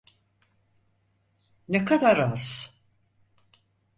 Ne kadar az?